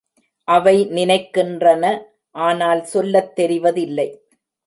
அவை நினைக்கின்றன ஆனால் சொல்லத் தெரிவதில்லை.